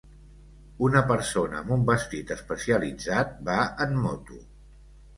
Una persona amb un vestit especialitzat va en moto.